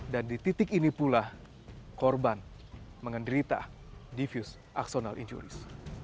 dan di titik ini pula korban mengenderita diffuse axonal injuries